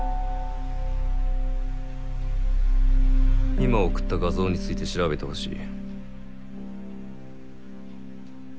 今送った画像について調べて欲しい。